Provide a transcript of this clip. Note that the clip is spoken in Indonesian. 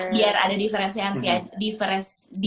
biar ada diferensiasi